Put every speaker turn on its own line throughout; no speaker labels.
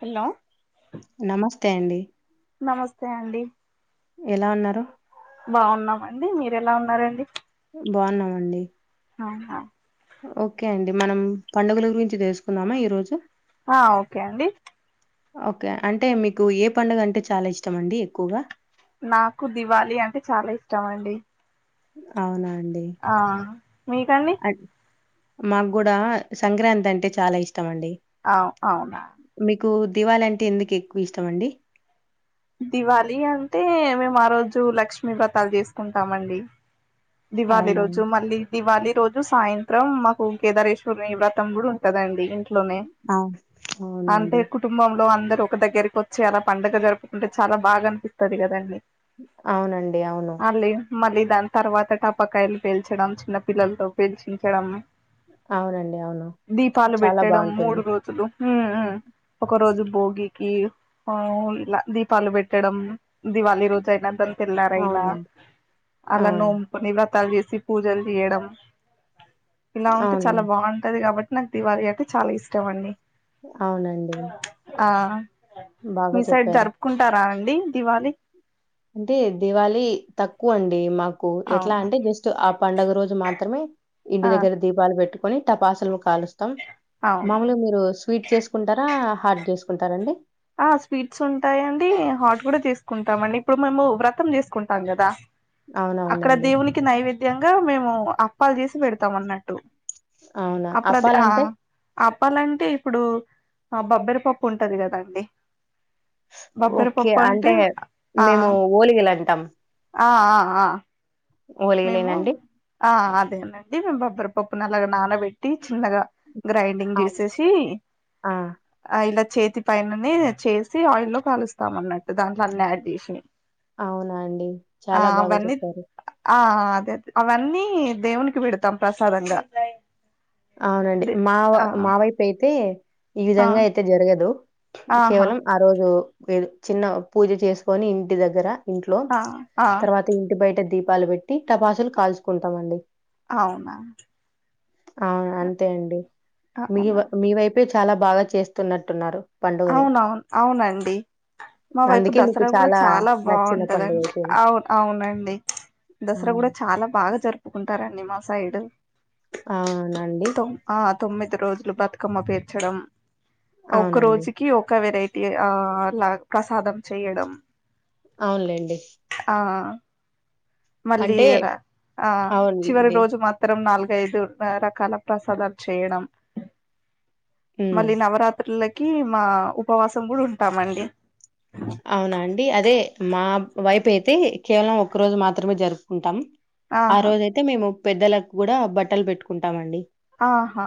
Hello
నమస్తే అండి
నమస్తే అండి
ఎలా ఉన్నారు
బాగున్నామండి మీర ఎలా ఉన్నారండి
బాగున్నామండి
ఆహా
ఓకే అండి మనం పండుగల గురించి తెలుసుకుందామా ఈ రోజు
ఆ ఓకే అండి
ఓకే అంటే మీకు ఏ పండుగ అంటే చాలా ఇష్టం అండి ఎక్కువగా
నాకు దివాళి అంటే చాలా ఇష్టం అండి
అవునా అండి
ఆ మీకండి
అన్- మాకు కూడా సంక్రాంతి అంటే చాలా ఇష్టం అండి
అవు అవున
మీకు దివాలి అంటే ఎందుకు ఎక్కువ ఇష్టం అండి
దివాళి అంటే మేము ఆ రోజు లక్ష్మీ వ్రతాలు చేసుకుంటామండి దివాళి
అవునా
రోజు మళ్ళీ దివాళి ఈ రోజు సాయంత్రం మాకు కేదారేశ్వర్నియువ్ర తమ్ముడు ఉంటదండి ఇం లో
అవు- అవునండి
అంటే కుటుంబంలో అంద ఒక దగ్గరికి వచ్చి అలా పండగ జరుపుకుంటే చాలా బాగా అనిపిస్తుంది స్తుది కద అండి
అవునండి అవును
మళ్ళీ దాని తర్వాత టాపకాయలు పేల్చడం చిన్న పిల్లలతో పేల్చించడం
అవునండి అవును
దీపాలు
చాలా
పెట్టడం
బాగుంటుంది
మూడు రోజులు హ్మ్ హ్మ్ ఒక రోజు భోగికి ఆ ఇలా దీపాలు పెట్టడం దివాళీ రోజు అయినా ద తెల్లారయినా
అవునండి ఆ,
అలాను నివ్రతాలు చేసి పూజలు చేయడం ఇలా ఉంటే
అవును
చాలా బాగుంటది కాబట్టి నాకు దివళి అంటే చాలా ఇష్టం అండి
అవునండి
ఆ
బాగా
మీ సైడ్
చెప్పారు
జరుపుకుంటారా డి దివాళి
అంటే దివాళి తక్కువ అండి మాకు నాకు ఎట్లా
అవునా
అంటే జస్ట్ ఆ పండుగ రోజు మాత్రమే ఇంటి
ఆ
దగ్గర దీపాలు పెట్టుకు కొని తపాసులు కాలుస్తాం
అవునా
మాములుగా మీరు స్వీట్ చేసుకుంటారా హార్డ్ చేసుకుంటారండి
ఆ స్వీట్స్ ఉంటాయిండి హాట్ కూడా చేసుకుంటామ అండి ఇప్పుడు మేము వ్రతం చేసుకుంటాం కదా అక్కడ
అవునవునండి.
దేవుకి నైవేద్య విధ్యంగా మేము అప్పాలు చేసి పెడతాం అన్నట్టు
అవునా!
అప్పుడది
అప్పాలంటే
అపప్పాలంటే ఇప్పుడు ఆ బబ్బెరపప్పు ఉంటది కదండి
ఓకే అంటే
ఆ
మేము ఓలిగాలు అంటాం
ఆ ఆ ఆ మేము
ఓలిగలేనండి?
ఆ అ అదేనండి మేము బబ్బెరపప్పు న అలాగా నానబెట్టి చిన్నగా గ్రైండింగ్
అవును.
చేసేసి
ఆ!
ఆ ఇలా చేతి పైననే చేసి ఆయి లో కలుస్తాం అన్నట్టు దాంట్లో అన్ని యాడ్ చేసి
అవునా అండి
ఆ
చాలా బాగా
అవన్నీ
చెప్పారు
ఆ అదే అవన్నీ దేవునికి పెడతాం ప్రసాదంగా
అవునండి
దే
మా
ఆ
మావైపు అయితే
ఆ
ఈవిధంగా అయితే జరగదు
ఆహా
కేవలం ఆరోజు లేదు చిన్న పూజ చేసుకొని ఇంటి దగ్గర ఇంట్లో
ఆ ఆ
తర్వాత ఇంటి బయట దీప్ పాలు పెట్టి టపాసులు కాల్చుకుంటామండి
అవునా
అవును అంతే అండి
అవునా
మీవ మివైపు చాలా బాగా చేస్తున్నట్టు ఉన్నారు
అవునవును అవునండి మా వైపు
అందుకే మీకు
దసరా కూడా చాలా
నచ్చిన పండుగ
బాగుంటదండి
అయిపోయింది.
అవును అవునండి
ఆ!
దసరా కూడా చాలా బాగా జరుపుకుంటారండి మా సైడు
ఆ అవునండి.
తొమ్మిది రోజులు బతుకమ్మ పేర్చడం ఒక్క
అవునండి
రోజుకి ఒక వెరైటీ ఆ లాగా ప్రసాదం చేయడం
అవునులేండి
ఆ మళ్ళీ
అంటే
ఆ చివరి
అవునండి.
రోజు మాత్రం నాలుగు ఐదు న్నర కల్లా ప్రసాదం చేయడం
హ్మ్.
మళ్ళీ నవరాత్రిలో కి మా ఉపవాసం కూడా ఉంటామండి
అవునా అండి అదే మా వైపు అయి అయితే కేవలం ఒక రోజు మాత్రమే జరుపుకుంటాం. ఆ
ఆహా
రోజ అయితే మేము పెద్దలకు కూడా బట్టలు పెట్టుకుంటామండి.
ఆహా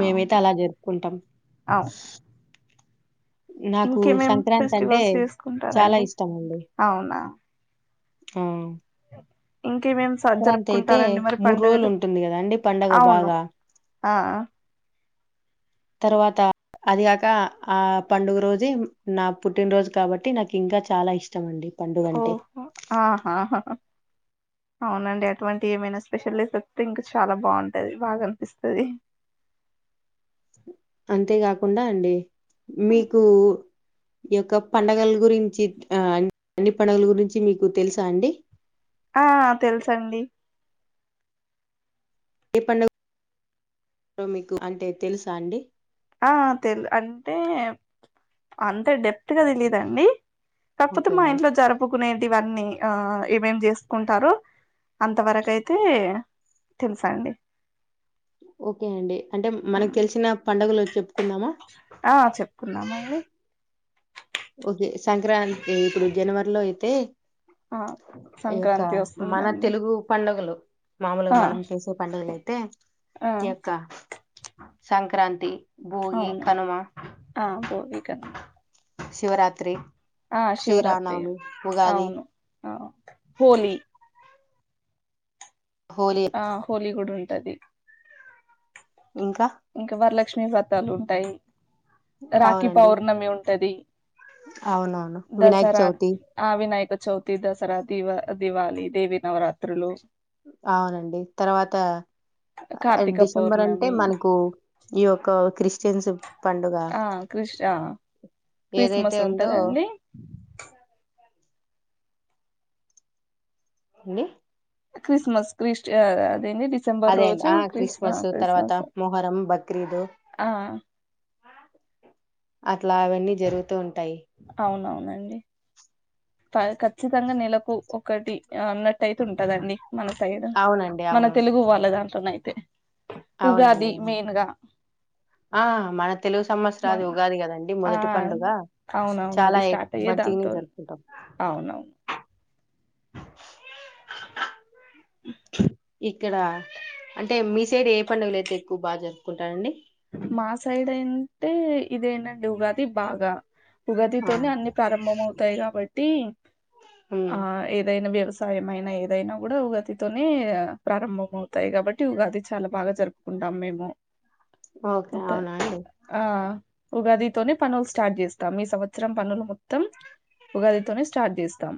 మేమైతే
అవునా
అలా జరుపుకుంటం.
అవునా ఇంకేమేం ఫెస్టివల్స్
చాలా
చేసుకుంటారండి.
హ్మ్
ఇంకేమేం స
సంక్రాంతి అయితే
జరుపుకుంటారండి మరి
మూడు రోజులు
పండుగలు
ఉంటుంది కదండి పండగ
అవును
బాగా
ఆ
తర్వాత అదిగాక ఆ పండుగ రోజే నా పుట్టినరోజు కాబట్టి నాకు ఇంకా చాలా ఇష్
ఓహో ఆహా హా అవునండి అటువంటి ఏమైనా స్పెషల్ ఎఫెక్ట్ ఇంక చాలా బావుంటది బాగా అనిపిస్తది
అంతేగాకుండా అండి మీకు ఈ యొక్క పండుగల గురించి ఆ అన్ని పడుగల గురించి మీకు తెలుసా అండి
ఆ తెలుసండి
ఏ పండుగ మీకు అంటే తెలుసా అండి
ఆ తెలి అంటే అంత డెప్త్గా తెలీదండి. కాకపోతే
ఓకే
మా
అండి.
ఇంట్లో జరుపుకునే ఇవన్నీ ఆ ఏమేం చేసుకుంటారు అంతవరకు అయితే తెలుసా అండి
ఓకే అండి అంటే మనకు తెలిసిన పండుగలు చెప్పుకుందామా?
ఆ చెప్పుకుందామవి
ఓకే సంక్రాంతి ఇప్పుడు జనవరిలో అయితే
ఆ
ఈ యొక్క
సంక్రాంతి
మన
వస్తుందండి
తెలుగు పండుగలు మామూలుగా
ఆ
మనం చేసే పండుగలయితే
ఆ
ఈ యొక్క సంక్రాంతి భోగి,
అవును
కనుమ,
ఆ పోవకమ్
శివరాత్రి
ఆ శివరాత్రి
శ్రీరామనవమి, ఉగాది,
అవును ఆ హోళ
హోలీ
ఆ హోలీ కూడా ఉంటది
ఇంకా
క్ష్ీ వాతాలు ఉంటాయి రాఖీ
అవునండి.
పౌర్ణమి ఉంటది
అవునవును. వినాయక
దసరా
చవితి
ఆ వినాయక చౌతి దసరా దివ దివాళి దేవి నవరాత్రులు
అవునండి తర్వాత
కార్తీక
డిసెంబర్ అంటే
పౌర్ణమి
మనకు ఈయ ఒకక్క క్రిస్టియన్స్ పండుగ
ఆ క్రిష్ ఆ
ఏదైతే
క్రిస్మస్
ఉందో
ఉంటదండి
ఏ
క్రిస్మస్ క్రిస్ అదేంది డిసెంబర్
అదేండి
రోజు
ఆ క్రిస్మస్ తర్వాత
క్రిస్మస్
మొహరం బక్రీదు
ఆ
అట్ల అవన్నీ జరుగుతూ ఉంటాయి
అవునవునండి ప ఖచ్చితంగా నెలకు ఒకటి అన్నట్టతే ఉంటదండి మన సైడ్
అవునండి.
మన
అవును.
తెలుగు వాళ్ళగాని అయితే
అవునండి ఆ మన తెలుగు సంవత్సరాది
మన
ఉగాది కదండి
ఆ
మొదటి పండుగ
అవునవును
చాలా
అది స్టార్ట్ అయ్యే
మంచినే
దాంతో
జరుపుకుంటాం
అవునవును
ఇక్కడ అంటే మీస్ రె ఏ పండుగలైతే ఎక్కు బాజర్ కుటండి
మా సైడ్ అంటే ఇదేనండి ఉగాది బాగా
ఆ!
ఉగాదితోనే అన్ని ప్రారంభంవుతాయి కాబట్టి
హ్మ్.
ఆ ఏదైనా వ్యవ సాయమైన ఏదైనా కూడా ఉగాదితోనే ప్రారంభం అవుతాయి కాబట్టి ఉగాది చాలా బాగా జరుపుకుంటాం మేము
ఓకే.
త్త
అవునా అండి?
ఆ ఉగాది తోనే పనులు స్టార్ట్ చేస్తం. ఈ సంవత్సరం పనులు మొత్తం ఉగాది తోనే స్టార్ట్ చేస్తం.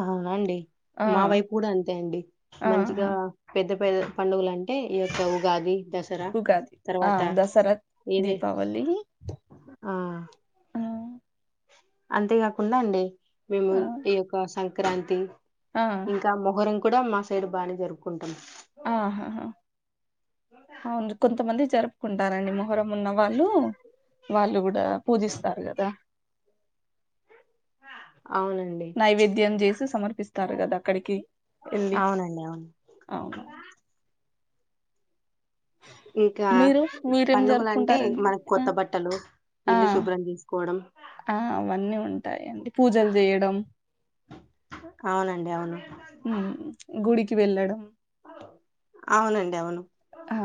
ఆ అవునా అండి మా వైపు కూడా అంతే అండి మంచిగా
ఆహా
పె పెద్ద పెద్ద పండుగలంటే ఈ యొక్క ఉగాది దసరా
ఉగాది ఆ
తర్వాత
దసర,
ఇది
దీపావలీ ఆ
అంతే కాకుండ అండి మేము
ఆ
ఈ యొక్క సం క్రాంతి
ఆ
ఇంకా మొహర్రం కూడ మా సైడ్ బానే జరుపుకుంటాం
ఆహాహా అవును కొంతమంది చేరం కుంటారండి మొహర్రం ఉన్న వాళ్ళూ, వాళ్ళు కూ డా పూజిస్తారు కదా
హా
నైవేద్యం చేసి సమర్పిస్తారు కదా అక్కడికి ఎళ్ళి.
అవునండి అవును
అవునవును
ఇంకా
మీరు మీరేం
పండుగలంటే
జరుపుకుంటారండి మరీ
మనకు కొత్త బట్టలు
ఆ
ఇల్లు శుభ్రం చేసుకోవడం
ఆ అవన్నీ ఉంటాయండి పూజలు చెయ్యడం
అవునండి అవును
వెళ్ళడం
అవునండి అవును
ఆ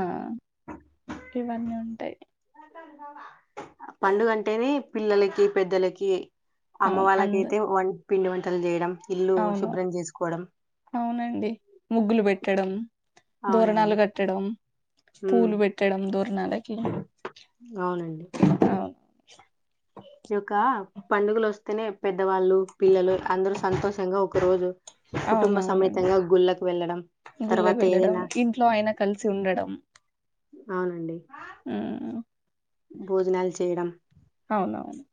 ఇవన్నీ ఉంటయి
పండుగ అంటేనే పిల్లలకి, పెద్దలకి అమ్మ
అవును అంద
వాళ్ళకైతే వన్ పిండి వంటలు చేయడం ఇల్లు
అవును
శుభ్రం చేసుకోవడం
అవునండి ముగ్గులు పె ట్టడం ధోరణాలు
అవునండి
కట్టడం,
ఉమ్
పూలు పెట్టడం, దో నడకీ
అవునండి
అవునవును
ఈ యొక్క పండుగలు వస్తేనే పెద్దవాళ్ళు పిల్లలు అందరు సంతోషంగా ఒక రోజు కుటుంబ
అవునవునం
సమేతంగా గుళ్ళకు వెళ్ళడం
గుళ్ళకు
తర్వాత
వెళ్ళడం
ఏదైనా
ఇంట్లో అయన కలిసి ఉండడం
అవునండి
మ్మ్
భోజనాలు చేయడం
అవునవును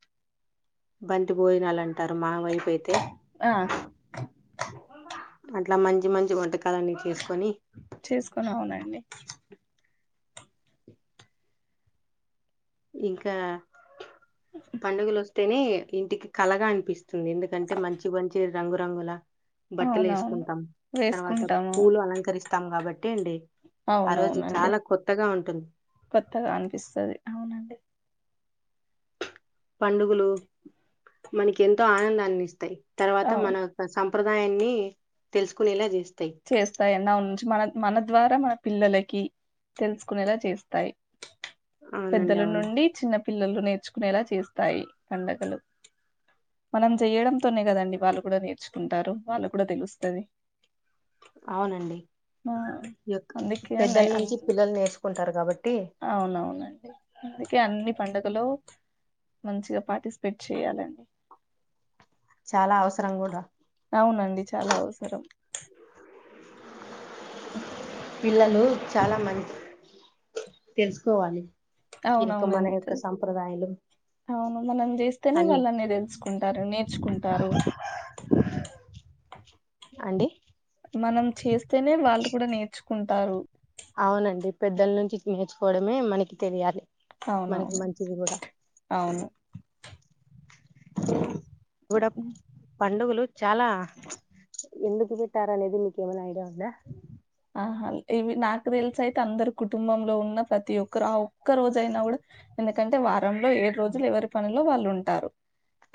బంతి భోజనాలంటారు మావై పైతే
ఆ
అట్లా మంచి మంచి వంటక కాలన్నీ చేసుకొని
ని
ఇంకా పండగలొస్ తేనే ఇంటికి కళగా అనిపిస్ తుంది ఎందుకంటే మంచి మంచి రంగురంగులా
అవునవును
బట్టలేసుకుంటాం తర్వాత
వేసుకుంటాము
పూలు అలంకరిస్తాం కాబ టేండి
అవునవునండి కొత్తగా అన్పిస్తాది అవునండి
పండుగలు మనకి ఎంతో ఆనందాన్ని ఇస్ తర్వాత
అవును
మనం ప్రసం ప్రదాయాన్ని తెలుసుకునేలా చేస్
చేస్తాయిన్న ఉంచి మన మన ద్వారా మన పిల్లలకి తెలుసుకొనేలా చేస్తాయి
అవునండి
పెద్దల
అవును
నుండి చిన్న పిల్లలు నేర్చ్ నేలా చేస్తాయి పండగలు మనం చేయడంతోనే కదండి వాళ్ళు కూడా నేర్చుకుంటారు వాళ్ళు కూడా తెలుస్తాది
అవునండి యొక్
అందుకే
పెద్దల
నే అన్
నుంచి పిల్లలు నేర్చుకుంటారు కాబట్టి
పండుగలో మంచిగా పార్టిసిపేట్ చేయాలండి
చాలా అవసరం కూడా
అవునండి చాలా అవసరం
పిల్లలు చాలా మం తెలుసుకోవాలి ఈ యొక్క మన యొక్క
అవునవునంతె
సంప్రదాయాలు
అవును మనం చేస్తేనే
అన్ని
వాళ్ళన్ని తెలుసుకుంటారు నేర్చుకుంటారు
అండి
మనం చేస్ తేనే వాళ్ళు కూడా నేర్చుకుం టారు
అవునండి పెద్దల నుంచి నేర్చుకోవడమే మనకి తెలియాలి మనకి
అవునవును
మంచిది కూడా
అవును
[unintelligible] పండుగలు డు చాలా ఎందుకు పెట్టారనేది మీకేమైనా ఐడియా ఉందా
ఆహా ఇవి నాకు తెలుసయితే అందరు కుటుంబంలో ఉన్న ప్రతి ఒక్కరు ఆ ఒక్క రోజైనా కూడా ఎందుకంటే వ రంలో ఏడు రోజులు ఎవరి పనులు లో వాళ్ళు ఉంటారు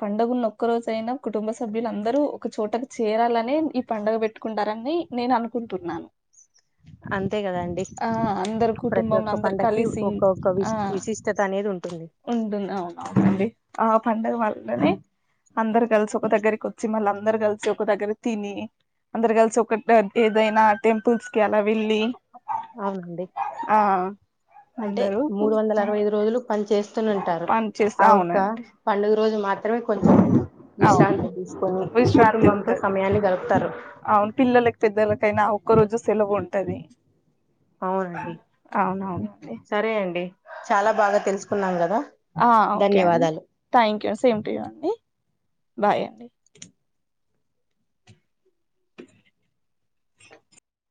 పండుగ ఉన్న ఒక్క రోజయినా కుటుంబ సభ్యులుందరూ ఒక చోటకు చేరాలనే ఈ పండుగ పెట్టుకుంటారని నేను అనుకుంటున్నాను
అంతే కదాండి
ఆ అందరు
ప్రతి
కుటుంబంలో
ఒక్క
అందరు
పండకి
కలిసి
ఒక్కక్క విశ
ఆ
విశిష్టత అనేది ఉంటుంది
ఉంటుంది అవునవునండి ఆ పండుగ మాత్రమే అందరు గల్సు ఒక దగ్గకి కొచ్చి మళ్ళా అందరు కలిసి ఒక దగ్గర తిని అందరు కలిసి ఒక ఏదైనా టెంపల్స్ కి అలా వెల్లి
అవునండి
ఆ
అంటే
అందరూ
మూడు వందల అరవై ఐదు రోజులు పని చేేస్త్ తును ఉంటారు
పని చేస్తా
ఆ ఒక్క
అవునండి
పండుగ రోజులు మాత్రమే కొంచెం
అవును
విశ్రాంతి తీసుకొని
విశ్రాంతి
కుటుంబంతో
ఉంటది
సమయాన్ని గలుపుతారు
అయినా ఒక్క రోజు సెలవు ఉంటది
అవునండి
అవునవునండి
సరే అండి చాలా బాగా తెలుసుకున్నాం కదా
ఆ ఓకే అండి
ధన్యవాదాలు
thank you same to you అండి బాయ్ అండి [inaudible]